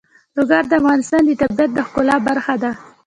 لوگر د افغانستان د طبیعت د ښکلا برخه ده.